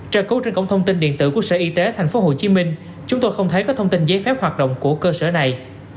tra cứu trên cổng thông tin điện tử của sở y tế tp hcm chúng tôi không thấy có thông tin giấy phép hoạt động của cơ sở này